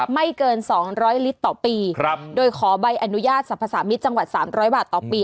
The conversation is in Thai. ไม่เกิน๒๐๐ลิตรต่อปีครับโดยขอใบอนุญาตสรรพสามิตรจังหวัด๓๐๐บาทต่อปี